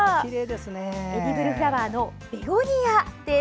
エディブルフラワーのベゴニアです。